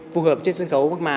phù hợp trên sân khấu mà